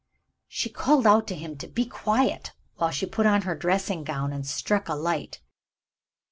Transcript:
She called out to him to be quiet, while she put on her dressing gown, and struck a light.